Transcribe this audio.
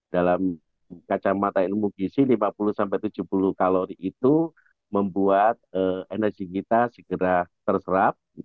dalam kacamata ilmu gizi lima puluh tujuh puluh kalori itu membuat energi kita segera terserap